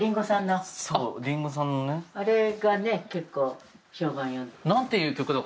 あれが結構評判呼んで。